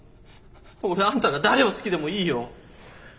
俺あんたが誰を好きでもいいよ。